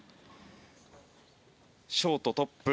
ショートトップ